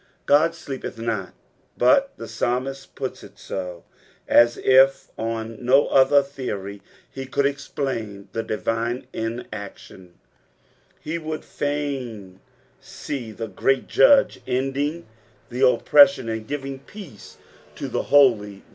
God aleepeth not, bnt the pasbniat puts it so, as if on no other theory he could explain the divine inaction. B« would fain see the great Judge ending oppression and giving peace to the holy, PSALM THB KOEIT FOnETH.